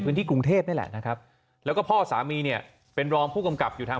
กรุงเทพนี่แหละนะครับแล้วก็พ่อสามีเนี่ยเป็นรองผู้กำกับอยู่ทาง